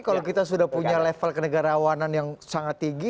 kalau kita sudah punya level kenegarawanan yang sangat tinggi